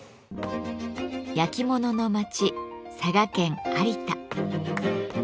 焼き物の町佐賀県有田。